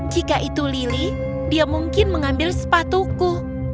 jika itu lili dia mungkin mengambil sepatuku